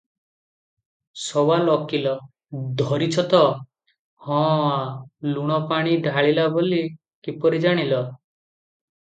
ସୱାଲ ଓକୀଲ - ଧରିଛ ତ, ହଁ - ଲୁଣପାଣି ଢାଳିଲା ବୋଲି କିପରି ଜାଣିଲ?